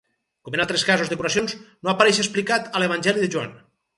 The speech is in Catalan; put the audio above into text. Com en altres casos de curacions, no apareix explicat a l'evangeli de Joan.